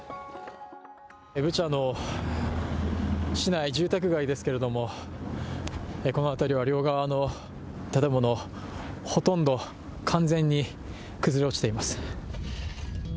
ブチャの市内、住宅街ですけれどもこの辺りは両側の建物、ほとんど完全に崩れ落ちています。